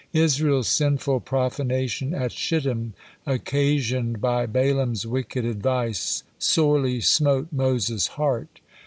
Israel's sinful profanation at Shittim, occasioned by Balaam's wicked advice, sorely smote Moses' heart.